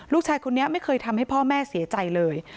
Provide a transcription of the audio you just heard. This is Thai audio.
ลูกชายคนนี้ไม่เคยทำให้พ่อแม่เสียใจเลย